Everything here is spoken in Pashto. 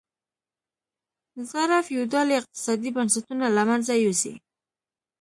زاړه فیوډالي اقتصادي بنسټونه له منځه یوسي.